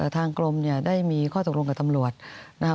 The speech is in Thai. ทางกรมได้มีข้อตกลงกับตำรวจ